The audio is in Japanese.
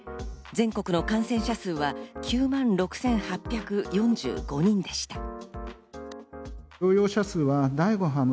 全国の感染者数は９万６８４５人でした。